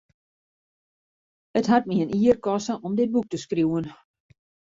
It hat my in jier koste om dit boek te skriuwen.